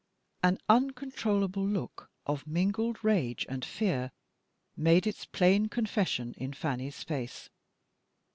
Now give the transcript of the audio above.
An uncontrollable look of mingled rage and fear made its plain confession in Fanny's face.